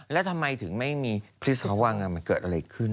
แล้วทำไมถึงไม่มีพฤศวังมันเกิดอะไรขึ้น